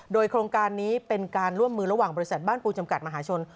โดยโครงการนี้เป็นการร่วมมือระหว่างบริษัทบ้านปูจำกัดมหาชน